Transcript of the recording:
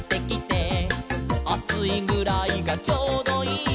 「『あついぐらいがちょうどいい』」